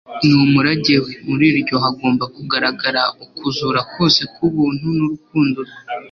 ni umurage we: muri ryo hagomba kugaragara ukuzura kose k'ubuntu n'urukundo rwe,